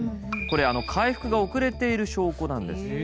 これ回復が遅れている証拠なんです。